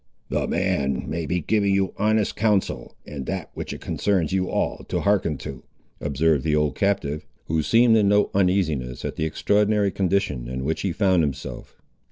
"The man may be giving you honest counsel, and that which it concerns you all to hearken to," observed the old captive, who seemed in no uneasiness at the extraordinary condition in which he found himself.